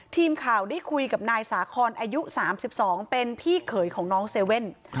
ทีมข่าวได้คุยกับนายสาคอนอายุ๓๒เป็นพี่เขยของน้องเซเว่น